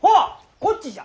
こっちじゃ。